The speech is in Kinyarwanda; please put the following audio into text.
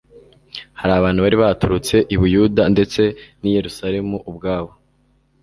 hari abantu bari baturutse i Buyuda ndetse n'i Yerusalemu ubwaho,